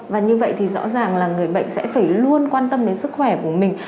và như vậy thì rõ ràng là người bệnh sẽ phải luôn quan tâm đến sức khỏe của mình